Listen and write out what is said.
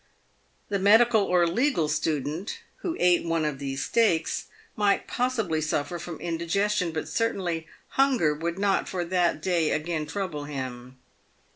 The medical or legal 336 PAVED WITH GOLD. student who eat one of those steaks might possibly suffer from indi gestion, but certainly hunger would not for that day again trouble him.